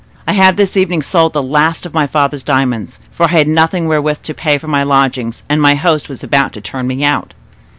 I have this evening sold the last of my father's diamonds; for I had nothing wherewith to pay for my lodgings and my host was about to turn me out."